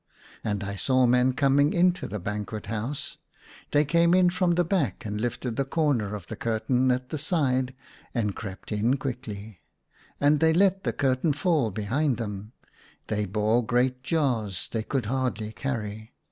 And I saw men coming in to the Banquet House ; they came in from the back and lifted the corner of the curtain at the sides and crept in quickly; and they let the curtain fall behind them ; they bore great jars they could hardly carry.